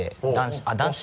あっ男子！